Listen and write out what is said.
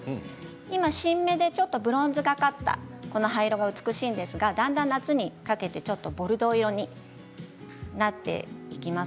今、新芽でブロンズがかった葉色が美しいんですが夏にかけてボルドー色になっていきます。